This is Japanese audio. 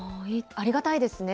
ありがたいですね。